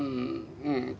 うん。